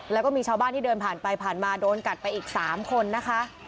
แล้วก็มีชาวบ้านที่เดินผ่านไปผ่านมาโดนกัดไปอีก๓คนนะคะ